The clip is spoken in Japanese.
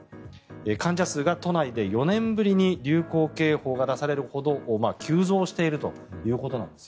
患者数が、都内で４年ぶりに流行警報が出されるほど急増しているということです。